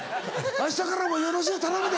明日からもよろしゅう頼むで。